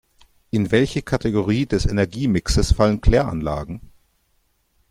In welche Kategorie des Energiemixes fallen Kläranlagen?